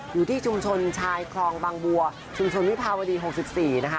อยู่ที่ชุมชนชายคลองบางบัวชุมชนวิภาวดี๖๔นะคะ